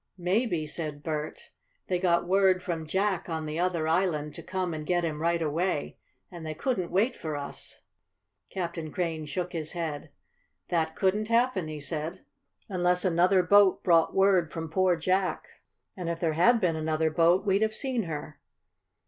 "Maybe," said Bert, "they got word from Jack, on the other island, to come and get him right away, and they couldn't wait for us." Captain Crane shook his head. "That couldn't happen," he said, "unless another boat brought word from poor Jack. And if there had been another boat we'd have seen her."